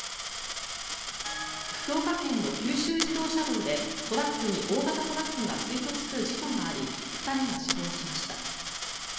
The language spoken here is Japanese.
福岡県の九州自動車道でトラックに大型トラックが追突する事故があり２人が死亡しました。